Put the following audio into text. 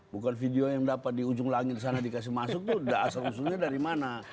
bukan video yang dapat di ujung langit dikasih masuk itu asal usulnya dari mana